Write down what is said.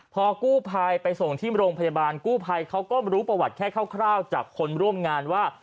พอกู้ภัยไปส่งที่โรงพยาบาลกู้ภัยเขาก็รู้ประวัติแค่คร่าวจากคนร่วมงานว่า